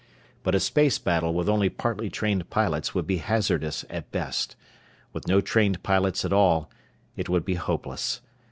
But a space battle with only partly trained pilots would be hazardous at best. With no trained pilots at all, it would be hopeless.